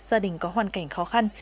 gia đình có hoàn cảnh khó khăn